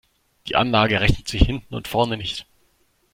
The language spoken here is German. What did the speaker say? Die Anlage rechnet sich hinten und vorne nicht.